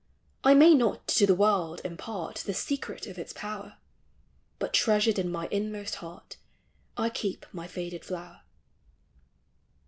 I may not to the world impart The secret of its power, But treasured in my inmost heart, I keep my faded flower.